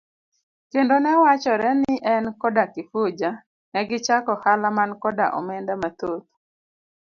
Kendo newachore ni en koda Kifuja negichako ohala man koda omenda mathoth.